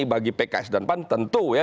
bagi pks dan pan tentu ya